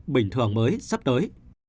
bình thường mới sắp tới